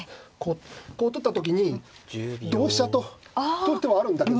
こう取った時に同飛車と取る手はあるんだけど。